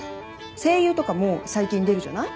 声優とかも最近出るじゃない？